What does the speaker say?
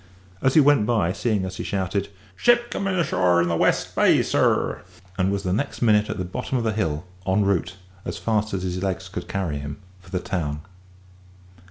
As he went by, seeing us, he shouted, "Ship coming ashore in the West Bay, sir!" and was the next minute at the bottom of the hill, en route, as fast as his legs could carry him, for the town.